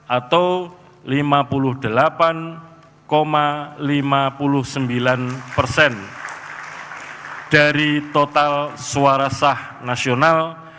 atau lima puluh delapan lima puluh sembilan persen dari total suara sah nasional